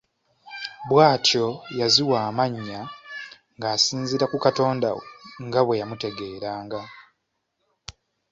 Bw’atyo yaziwa amannya ng’asinziira ku katonda we nga bwe yamutegeeranga.